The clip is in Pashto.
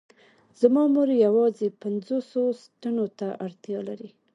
زما مور يوازې پنځوسو سنټو ته اړتيا لري.